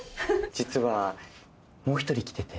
実はもう一人来てて。